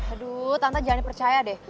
aduh tante jangan dipercaya deh